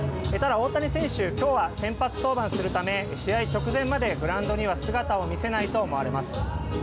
ただ大谷選手、きょうは先発登板するため、試合直前まで、グラウンドには姿を見せないと思われます。